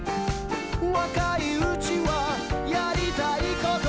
「若いうちはやりたいこと」